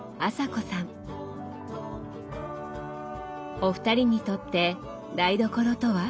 お二人にとって台所とは？